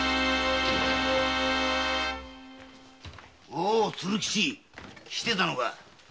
おう鶴吉来てたのか。